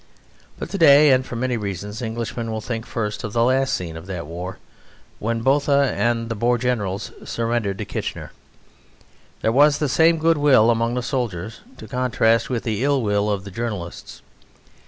But to day, and for many reasons, Englishmen will think first of the last scene of that war. When Botha and the Boer Generals surrendered to Kitchener, there was the same goodwill among the soldiers to contrast with the ill will of the journalists.